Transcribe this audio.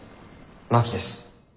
真木です。